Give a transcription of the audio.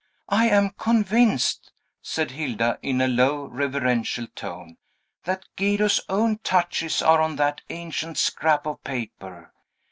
"I am convinced," said Hilda in a low, reverential tone, "that Guido's own touches are on that ancient scrap of paper!